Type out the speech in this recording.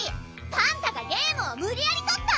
パンタがゲームをむりやりとった！